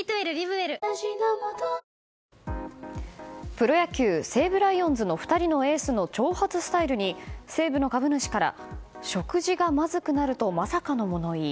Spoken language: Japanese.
プロ野球西武ライオンズの２人のエースの長髪スタイルに西武の株主から食事がまずくなるとまさかの物言い。